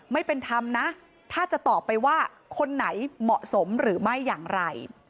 ไม่เป็นธรรมนะถ้าจะตอบไปว่าคนไหนเหมาะสมหรือไม่อย่างไร